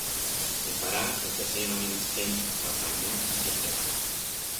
Se fará lo que seiga menister pa apanyar ixe fregau.